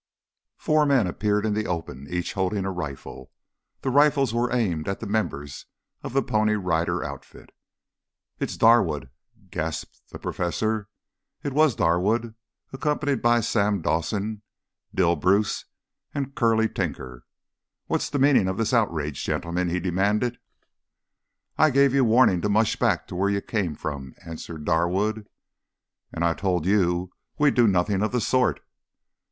Four men appeared in the open, each holding a rifle. The rifles were aimed at the members of the Pony Rider outfit. "It's Darwood!" gasped the Professor. It was Darwood, accompanied by Sam Dawson, Dill Bruce and Curley Tinker. "What's the meaning of this outrage, gentlemen?" he demanded. "I gave you warning to mush back to where you came from," answered Darwood. "And I told you we'd do nothing of the sort!"